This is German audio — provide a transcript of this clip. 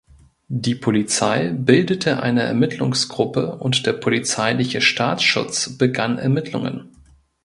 Die Polizei bildete eine Ermittlungsgruppe und der polizeiliche Staatsschutz begann Ermittlungen.